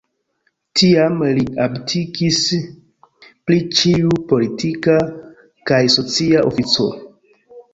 Tiam li abdikis pri ĉiu politika kaj socia ofico.